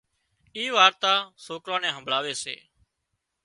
اي وارتا سوڪران نين همڀۯاوي سي